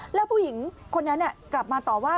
แล้วผู้หญิงคนนั้นกลับมาต่อว่า